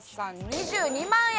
２２万円。